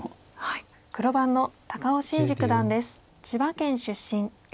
千葉県出身。